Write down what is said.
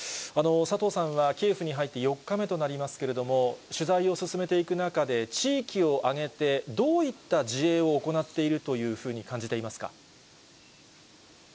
佐藤さんはキエフに入って４日目となりますけれども、取材を進めていく中で、地域をあげてどういった自衛を行っているというふうに感じていますか。